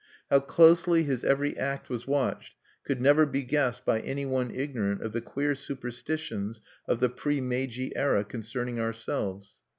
How closely his every act was watched could never be guessed by any one ignorant of the queer superstitions of the pre Meiji era concerning ourselves.